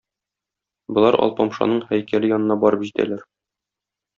Болар Алпамшаның һәйкәле янына барып җитәләр.